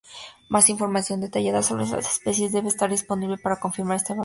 Más información detallada sobre las especies debe estar disponible para confirmar esta evaluación.